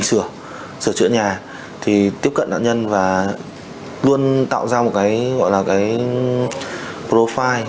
sửa sửa chữa nhà thì tiếp cận nạn nhân và luôn tạo ra một cái gọi là cái profile